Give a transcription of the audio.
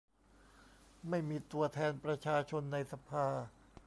ไม่มีตัวแทนประชาชนในสภา